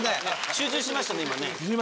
集中してましたね今ね。